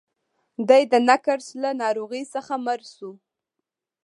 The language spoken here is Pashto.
دی د نقرس له ناروغۍ څخه مړ شو.